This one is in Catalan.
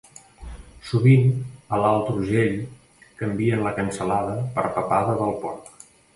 Sovint a l'Alt Urgell canvien la cansalada per papada del porc.